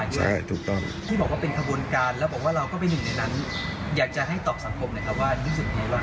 ใช่ถูกต้อง